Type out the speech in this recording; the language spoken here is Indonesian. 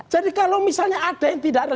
jadi kalau misalnya ada yang tidak